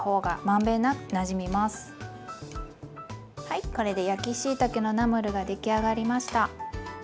はいこれで焼きしいたけのナムルが出来上がりました！